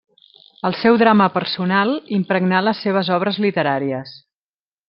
El seu drama personal impregnà les seves obres literàries.